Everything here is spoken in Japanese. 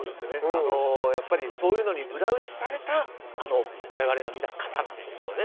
やっぱりそういうのに裏打ちされた、我々が見た形なんでしょうね。